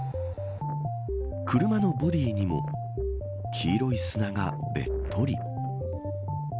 車のボディにも黄色い砂がべっとり。